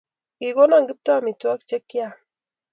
Kogono Kiptoo amitwogik chik aam.